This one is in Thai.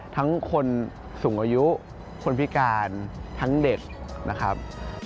ทั้งคนสูงอายุคนพิการทั้งเด็กนะครับ